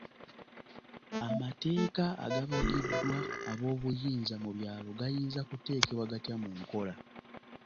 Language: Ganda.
Amateeka agabagiddwa ab'obuyinza mu byalo gayinza kuteekebwa gatya mu nkola?